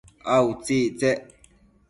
a utsictsec?